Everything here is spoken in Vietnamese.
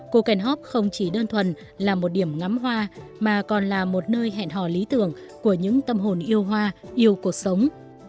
cocain hop không chỉ đơn thuần là một điểm ngắm hoa mà còn là một nơi hẹn hò lý tưởng của những tâm hồn yêu hoa yêu cuộc sống